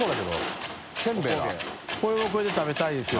これはこれで食べたいですよ。